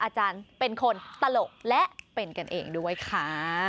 อาจารย์เป็นคนตลกและเป็นกันเองด้วยค่ะ